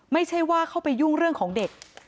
ไม่ใช่ว่าเข้าไปยุ่งเรื่องของเด็ก